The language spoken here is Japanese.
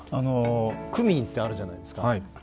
クミンってあるじゃないですか。